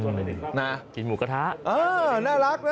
ก็เลยไม่อยากลงทวนท้าก็เลยหยุดพอไม่รอดวิเครน